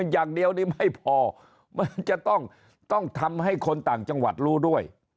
อย่างเดียวนี่ไม่พอมันจะต้องทำให้คนต่างจังหวัดรู้ด้วย